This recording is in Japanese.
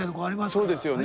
そうですよね。